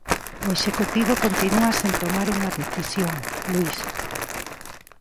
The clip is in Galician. O executivo continúa sen tomar unha decisión, Luís.